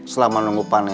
selama nunggu panen